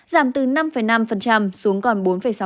giảm từ năm năm xuống còn bốn sáu